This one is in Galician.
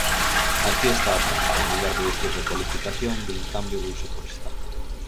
Aquí está a trampa, en lugar de dicir 'recualificación', din 'cambio de uso forestal'.